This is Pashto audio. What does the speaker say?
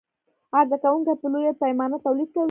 عرضه کوونکى په لویه پیمانه تولید کوي.